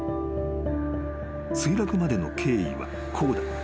［墜落までの経緯はこうだ］